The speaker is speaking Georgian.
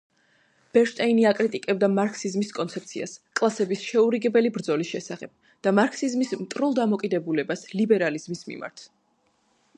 ბერნშტეინი აკრიტიკებდა მარქსიზმის კონცეფციას „კლასების შეურიგებელი ბრძოლის“ შესახებ და მარქსიზმის მტრულ დამოკიდებულებას ლიბერალიზმის მიმართ.